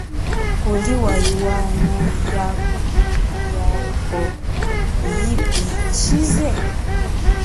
Kuli wa iwana yena yako yipi chize.